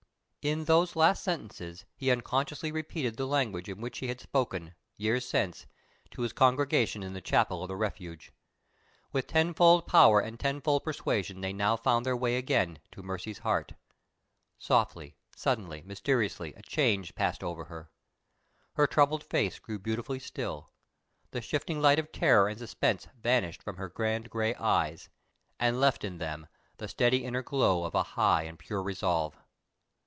'" In those last sentences he unconsciously repeated the language in which he had spoken, years since, to his congregation in the chapel of the Refuge. With tenfold power and tenfold persuasion they now found their way again to Mercy's heart. Softly, suddenly, mysteriously, a change passed over her. Her troubled face grew beautifully still. The shifting light of terror and suspense vanished from her grand gray eyes, and left in them the steady inner glow of a high and pure resolve.